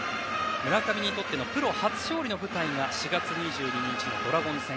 村上にとってのプロ初勝利の舞台が４月２２日のドラゴンズ戦。